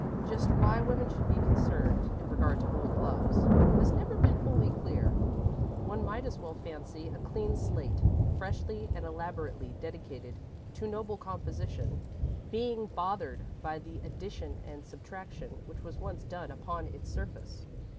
Just why women should be concerned in regard to old loves has never been wholly clear. One might as well fancy a clean slate, freshly and elaborately dedicated to noble composition, being bothered by the addition and subtraction which was once done upon its surface.